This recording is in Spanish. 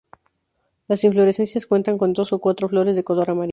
Las inflorescencias cuentan con dos o cuatro flores de color amarillo.